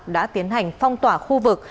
đã tiến hành phong toả khu vực